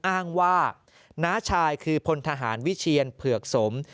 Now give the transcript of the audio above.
อ้างว่าน้าชายคือพลทหารวิเชียนเผือกสม